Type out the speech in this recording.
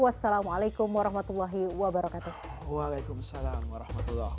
wassalamualaikum warahmatullahi wabarakatuh